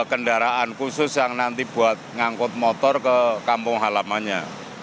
kendaraan khusus yang nanti buat ngangkut motor ke kampung halamannya